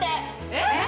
えっ⁉